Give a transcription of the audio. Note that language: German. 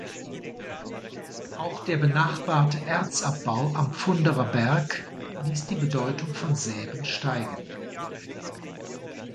Auch der benachbarte Erzabbau am Pfunderer Berg ließ die Bedeutung von Säben steigen.